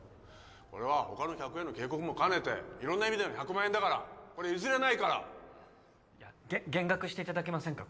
これは他の客への警告も兼ねて色んな意味での１００万円だからこれ譲れないから減額していただけませんか？